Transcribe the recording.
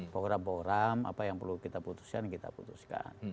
program program apa yang perlu kita putuskan kita putuskan